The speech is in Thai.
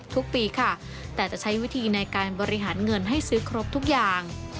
ทุกปีค่ะแต่จะใช้วิธีในการบริหารเงินให้ซื้อครบทุกอย่าง